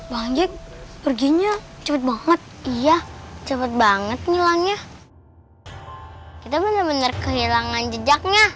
banyak perginya cepet banget iya cepet banget nilainya kita bener bener kehilangan jejaknya